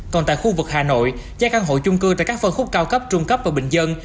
còn tại khu vực hà nội giá căn hộ chung cư tại các phân khúc cao cấp trung cấp và bình dân